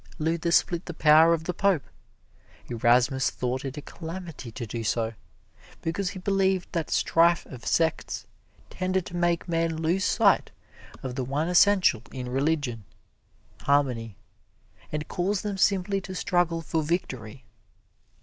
Luther split the power of the Pope. Erasmus thought it a calamity to do so, because he believed that strife of sects tended to make men lose sight of the one essential in religion harmony and cause them simply to struggle for victory.